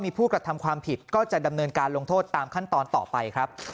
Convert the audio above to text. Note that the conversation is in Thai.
มีผู้กระทำความผิดก็จะดำเนินการลงโทษตามขั้นตอนต่อไปครับ